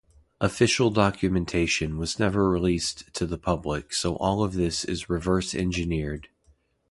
Official documentation was never released to the public so all of this is reverse-engineered.